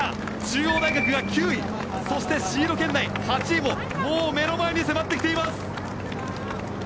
中央大学が９位そしてシード圏内の８位ももう目の前に迫ってきています